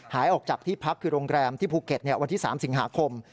หายออกจากที่พักคือโรงแรมที่ภูเก็ตวันที่๓สิงหาคม